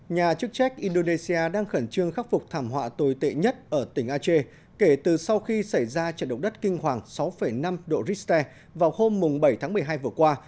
nhà chức trách indonesia đang khẩn trương khắc phục thảm họa tồi tệ nhất ở tỉnh ache kể từ sau khi xảy ra trận động đất kinh hoàng sáu năm độ richter vào hôm bảy tháng một mươi hai vừa qua